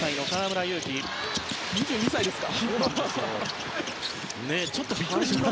２２歳ですか？